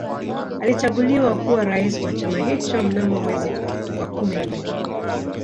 Alichaguliwa kuwa Rais wa chama hicho Mnamo mwezi wa kumi na mbili